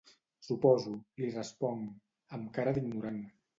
Suposo —li responc, amb cara d'ignorant—.